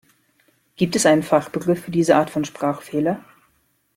Gibt es einen Fachbegriff für diese Art von Sprachfehler?